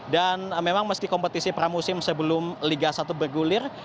dan memang meski kompetisi pramusim sebelum liga satu bergulir